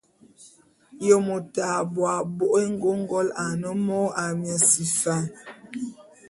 Ye môt a bo a bo'ok éngôngol ane mô Amiasi Fan?